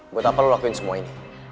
buat apa lo lakuin semua ini